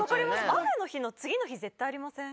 雨の日の次の日絶対ありません？